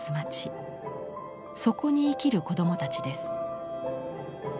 そこに生きる子どもたちです。